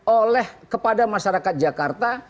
oleh kepada masyarakat jakarta